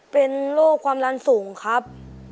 เป็นโรคความดันสูงครับ